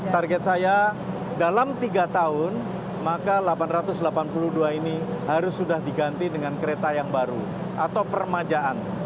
target saya dalam tiga tahun maka delapan ratus delapan puluh dua ini harus sudah diganti dengan kereta yang baru atau permajaan